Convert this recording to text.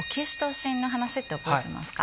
の話って覚えてますか？